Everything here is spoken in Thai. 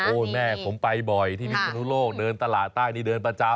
แม่ผมไปบ่อยที่พิศนุโลกเดินตลาดใต้นี่เดินประจำ